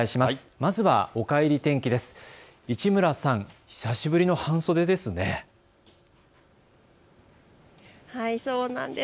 まずは、おかえり天気です。